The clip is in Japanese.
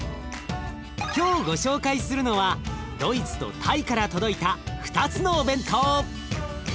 今日ご紹介するのはドイツとタイから届いた２つのお弁当。